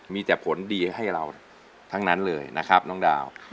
มีแต่ผลดีให้เราทั้งนั้นเลยนะครับน้องดาว